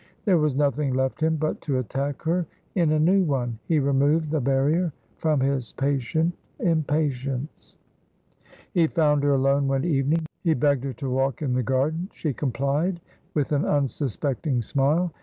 There was nothing left him but to attack her in a new one. He removed the barrier from his patient impatience. He found her alone one evening. He begged her to walk in the garden. She complied with an unsuspecting smile.